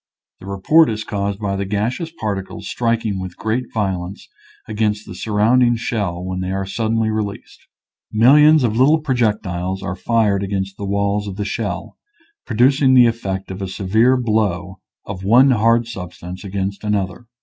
The report is caused by the gaseous particles striking with great vio lence against the surrounding shell when they are suddenly released. Millions of little pro jectiles are fired against the walls of the shell, producing the effect of a severe blow of one hard substance against another.